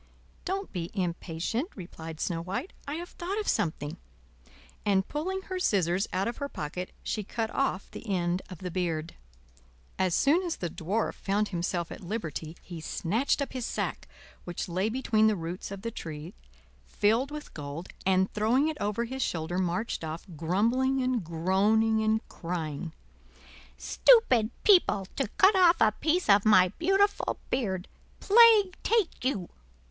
"Don't be impatient," replied Snow White; "I have thought of something;" and pulling her scissors out of her pocket she cut off the end of the beard. As soon as the Dwarf found himself at liberty, he snatched up his sack, which lay between the roots of the tree, filled with gold, and throwing it over his shoulder marched off, grumbling and groaning and crying: "Stupid people! to cut off a piece of my beautiful beard. Plague take you!"